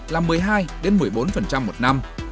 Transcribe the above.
là một mươi hai một mươi bốn một năm